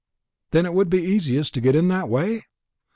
"Then it would be easiest to get in that way?"